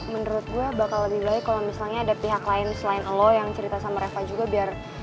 menurut gue bakal lebih baik kalau misalnya ada pihak lain selain allah yang cerita sama reva juga biar